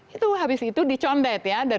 itu habis itu dicondet ya